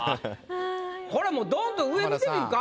これもうドンと上見てみるか。